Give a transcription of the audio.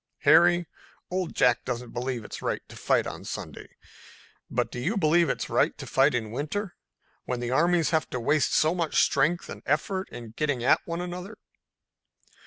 Harry, Old Jack doesn't believe it's right to fight on Sunday, but do you believe it's right to fight in winter, when the armies have to waste so much strength and effort in getting at one another?"